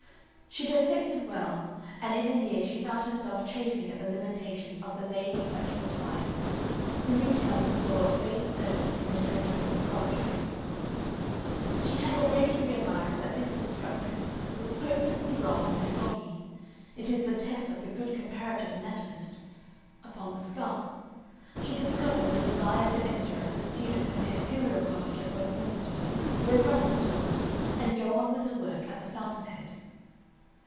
She dissected well, and in a year she found herself chafing at the limitations of the lady B. Sc. who retailed a store of faded learning in the Tredgold laboratory. She had already realized that this instructress was hopelessly wrong and foggy it is the test of the good comparative anatomist upon the skull. She discovered a desire to enter as a student in the Imperial College at Westminster, where Russell taught, and go on with her work at the fountain head.